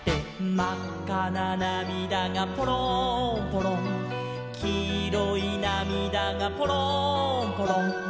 「まっかななみだがぽろんぽろん」「きいろいなみだがぽろんぽろん」